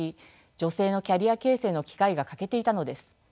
女性のキャリア形成の機会が欠けていたのです。